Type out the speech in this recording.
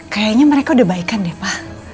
kayaknya mereka udah baikan deh pak